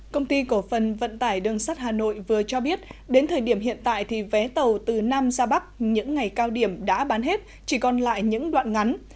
công ty cổ phần vận tải đường sắt hà nội vừa cho biết đến thời điểm hiện tại thì vé tàu từ nam ra bắc những ngày cao điểm đã bán hết chỉ còn lại những đoạn ngắn